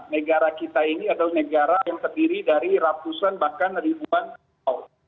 negara kita ini adalah negara yang terdiri dari ratusan bahkan ribuan pulau